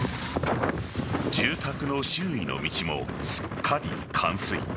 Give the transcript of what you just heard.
住宅の周囲の道もすっかり冠水。